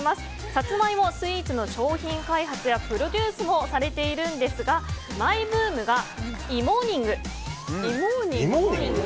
さつまいもスイーツの商品開発やプロデュースもされているんですがマイブームがいもーにんぐ。